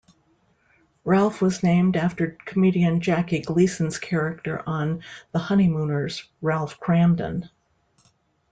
Ralph was named after comedian Jackie Gleason's character on "The Honeymooners" Ralph Kramden.